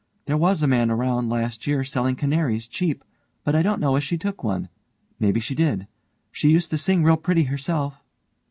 There was a man around last year selling canaries cheap, but I don't know as she took one; maybe she did. She used to sing real pretty herself.